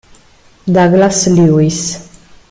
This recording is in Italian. Douglas Lewis